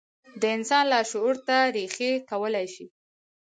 د انسان لاشعور ته رېښې کولای شي.